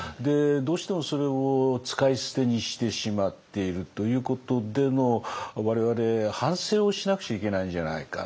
どうしてもそれを使い捨てにしてしまっているということでの我々反省をしなくちゃいけないんじゃないか。